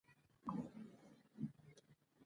پر مبتدا بسنه مه کوه،